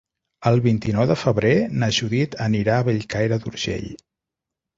El vint-i-nou de febrer na Judit anirà a Bellcaire d'Urgell.